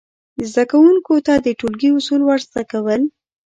زده کوونکو ته د ټولګي اصول ور زده کول،